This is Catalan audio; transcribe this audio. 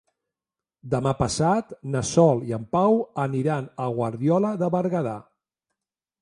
Demà passat na Sol i en Pau aniran a Guardiola de Berguedà.